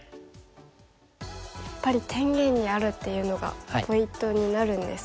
やっぱり天元にあるっていうのがポイントになるんですか？